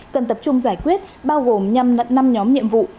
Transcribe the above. cần tập trung giải quyết bao gồm năm nhóm nhiệm vụ